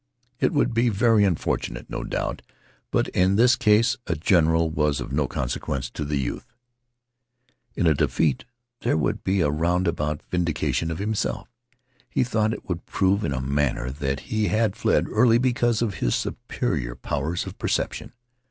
It would be very unfortunate, no doubt, but in this case a general was of no consequence to the youth. In a defeat there would be a roundabout vindication of himself. He thought it would prove, in a manner, that he had fled early because of his superior powers of perception.